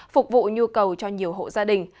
phục vụ nhu cầu cho nhiều hộ gia đình